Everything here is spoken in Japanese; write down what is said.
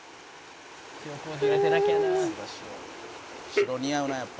「白似合うなやっぱ」